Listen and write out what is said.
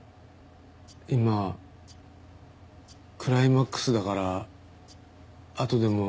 今クライマックスだからあとでもいい？